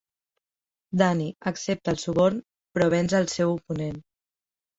Danny accepta el suborn, però venç el seu oponent.